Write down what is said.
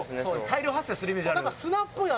大量発生するイメージ。